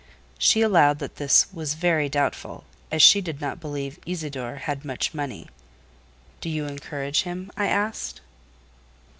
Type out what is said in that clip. She allowed that this was very doubtful, as she did not believe "Isidore" had much money. "Do you encourage him?" I asked.